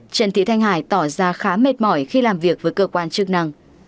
trần thị thanh hải tỏ ra khá mệt mỏi khi làm việc với cơ quan chức năng